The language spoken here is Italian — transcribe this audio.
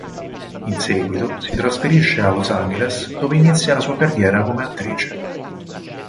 In seguito si trasferisce a Los Angeles dove inizia la sua carriera come attrice.